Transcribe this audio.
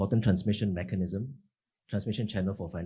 sebagai mekanisme transmisi channel transmisi